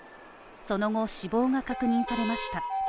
その後死亡が確認されました。